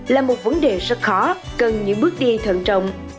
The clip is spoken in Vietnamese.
là một vấn đề rất khó cần những bước đi thận trọng